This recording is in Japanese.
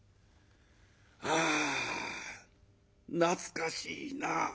あ懐かしいなあ」。